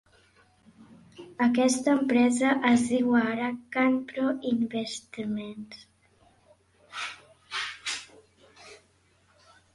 Aquesta empresa es diu ara Canpro Investments.